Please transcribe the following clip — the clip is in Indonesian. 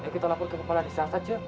kita laporkan kepala disana saja